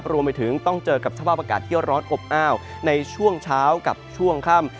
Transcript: รวมไปถึงต้องเจอกับสภาพอากาศที่ร้อนอบอ้าวในช่วงเช้ากับช่วงค่ำ